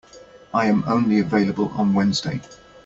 I am only available on Wednesday.